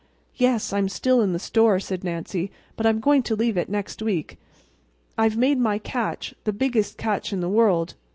"Yes, I'm still in the store," said Nancy, "but I'm going to leave it next week. I've made my catch—the biggest catch in the world.